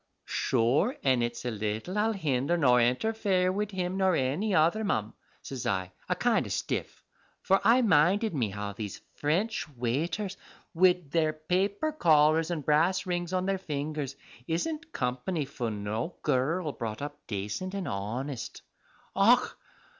"Sure an' it's little I'll hinder nor interfare wid him nor any other, mum," says I, a kind o' stiff, for I minded me how these French waiters, wid their paper collars and brass rings on their fingers, isn't company for no gurril brought up dacint and honest. Och!